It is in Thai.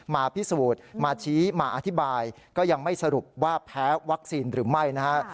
มาพิสูจน์มาชี้มาอธิบายก็ยังไม่สรุปว่าแพ้วัคซีนหรือไม่นะฮะ